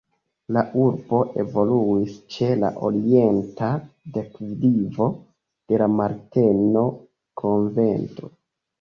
La urbo evoluis ĉe la orienta deklivo de la Marteno-konvento.